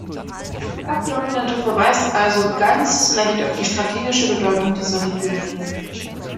Der Abgeordnete verweist also ganz zu Recht auf die strategische Bedeutung dieser Regionen.